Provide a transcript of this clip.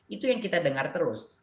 itu yang kita dengar terus